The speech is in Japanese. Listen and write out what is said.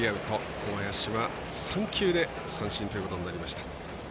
小林は３球で三振ということになりました。